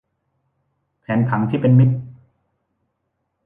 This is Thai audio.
แผนผังที่เป็นมิตร